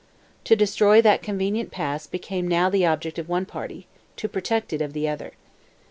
To destroy "that convenient pass" became now the object of one party, to protect it, of the other.